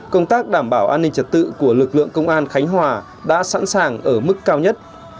công tác đảm bảo an ninh trật tự của lực lượng công an khánh hòa đã sẵn sàng ở mức cao nhất